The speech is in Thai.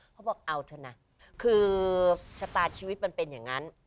เขาบอกเอาเถอะนะคือชะตาชีวิตมันเป็นอย่างนั้น